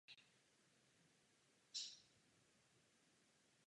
Plavidlo se těší velkému zájmu návštěvníků.